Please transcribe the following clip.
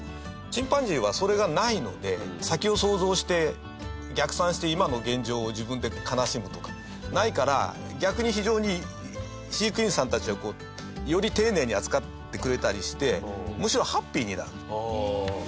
チンパンジーは、それがないので先を想像して、逆算して今の現状を自分で悲しむとかないから逆に非常に、飼育員さんたちはより丁寧に扱ってくれたりしてむしろ、ハッピーになると。